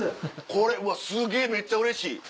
これうわすげぇめっちゃうれしい。